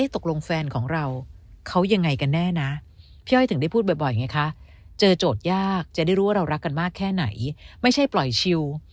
ตกลงแฟนของเราเขายังไงกันแน่นะพี่อ้อยถึงได้พูดบ่อยไงคะเจอโจทย์ยากจะได้รู้ว่าเรารักกันมากแค่ไหนไม่ใช่ปล่อยชิล